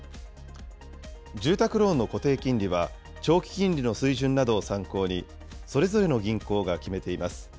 住宅ローンの固定金利は、長期金利の水準などを参考に、それぞれの銀行が決めています。